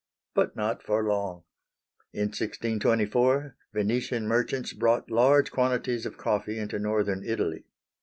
but not for long. In 1624 Venetian merchants brought large quantities of coffee into northern Italy.